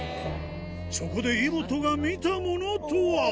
そこでイモトが見たものとは？